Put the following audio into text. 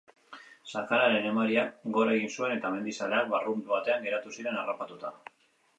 Sakanaren emariak gora egin zuen eta mendizaleak barrunbe batean geratu ziren harrapatuta.